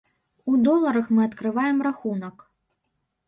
У доларах мы адкрываем рахунак.